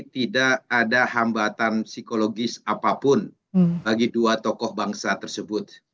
tidak ada hambatan psikologis apapun bagi dua tokoh bangsa tersebut